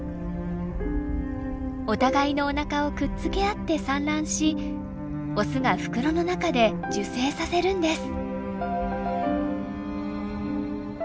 お互いのおなかをくっつけ合って産卵しオスが袋の中で受精させるんです。